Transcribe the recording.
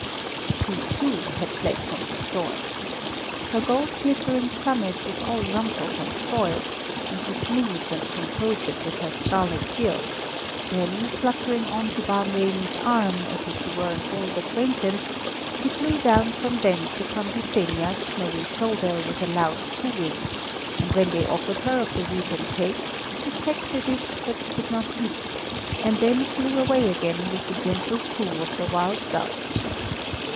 She, too, had fled from the storm. Her gold glittering plumage was all rumpled and soiled, and she smoothed and composed it with her scarlet bill; then fluttering on to Bar Noemi's arm, as if he were an old acquaintance, she flew down from thence upon Byssenia's snowy shoulder with a loud cooing, and when they offered her of the wheaten cakes, she pecked at it but did not eat, and then flew away again with the gentle coo of the wild dove.